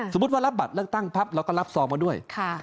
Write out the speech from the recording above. สมมุติรับบัตรเลือกตั้งพังแล้วก็รับซองมาด้วย